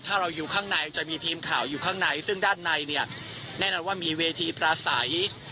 ถ้าเราอยู่ข้างในจะมีทีมข่าวอยู่ข้างในซึ่งด้านในเนี่ยแน่นอนว่ามีเวทีปราศัย